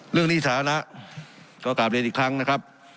หนี้สาธารณะก็กลับเรียนอีกครั้งนะครับ